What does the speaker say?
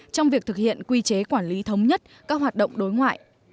trong việc thực hiện quy chế quản lý thống nhất các hoạt động đối ngoại